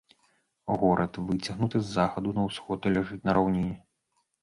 Горад выцягнуты з захаду на ўсход і ляжыць на раўніне.